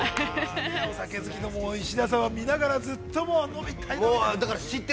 ◆お酒好きの石田さんは見ながらずっと飲みたい飲みたいって。